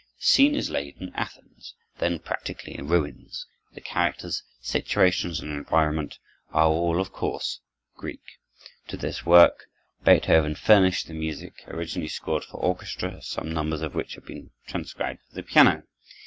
The scene is laid in Athens, then practically in ruins. The characters, situations, and environment are all, of course, Greek. To this work Beethoven furnished the music, originally scored for orchestra, some numbers of which have since been transcribed for the piano.